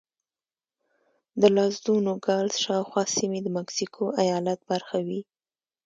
د لاس دو نوګالس شاوخوا سیمې د مکسیکو ایالت برخه وې.